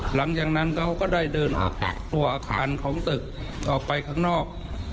หลังจากนั้นเขาก็ได้เดินออกจากตัวอาคารของตึกออกไปข้างนอก